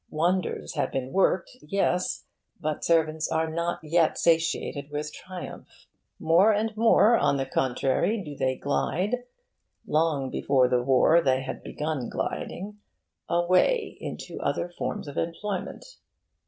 Wonders have been worked, yes. But servants are not yet satiated with triumph. More and more, on the contrary, do they glide long before the War they had begun gliding away into other forms of employment.